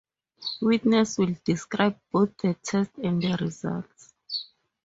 Witness will describe both the test and the results.